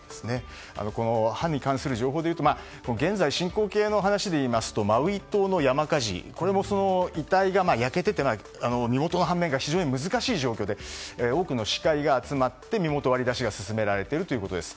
歯に関する情報でいうと現在進行形の話ですとマウイ島の山火事も遺体が焼けていて身元の判明が非常に難しい状況で多くの歯科医が集まって身元割り出しが進められているということです。